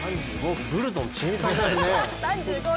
ブルゾンちえみさんじゃないですか！